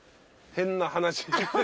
変な話。